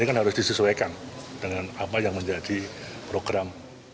ini kan harus disesuaikan dengan apa yang menjadi program